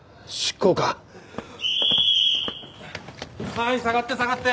はい下がって下がって。